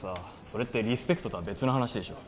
それってリスペクトとは別の話でしょ